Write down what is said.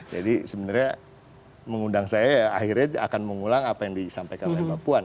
jadi sebenarnya mengundang saya akhirnya akan mengulang apa yang disampaikan oleh mbak puan